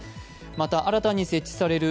また新たに設置される